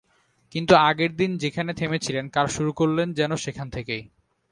কিন্তু আগের দিন যেখানে থেমেছিলেন, কাল শুরু করলেন যেন সেখান থেকেই।